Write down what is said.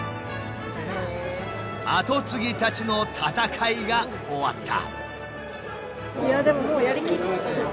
アトツギたちの戦いが終わった。